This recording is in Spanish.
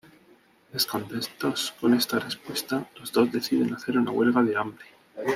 Descontentos con esta respuesta, los dos deciden hacer una huelga de hambre.